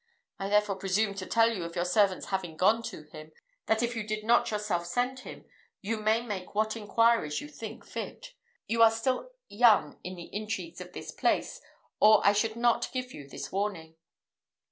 I therefore presume to tell you of your servant's having gone to him, that if you did not yourself send him, you may make what inquiries you think fit. You are still young in the intrigues of this place, or I should not give you this warning."